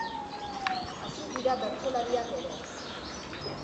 Hasi dira bertsolariak ere.